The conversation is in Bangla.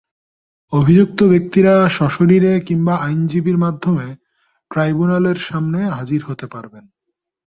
অভিযুক্ত ব্যক্তিরা সশরীরে কিংবা আইনজীবীর মাধ্যমে ট্রাইব্যুনালের সামনে হাজির হতে পারবেন।